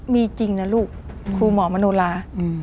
มีจริงนะลูกครูหมอมโนลา